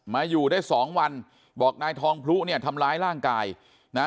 อยู่ได้สองวันบอกนายทองพลุเนี่ยทำร้ายร่างกายนะ